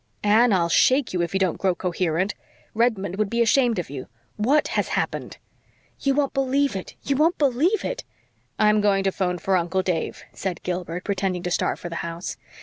"Anne, I'll shake you if you don't grow coherent. Redmond would be ashamed of you. WHAT has happened?" "You won't believe it you won't believe it " "I'm going to phone for Uncle Dave," said Gilbert, pretending to start for the house.